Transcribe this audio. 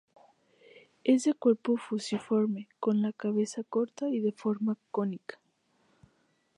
Es de cuerpo fusiforme, con la cabeza corta y de forma cónica.